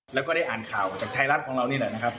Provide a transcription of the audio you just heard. แล้วก็ได้อ่านข่าวจากไทยรัฐของเรานี่แหละนะครับ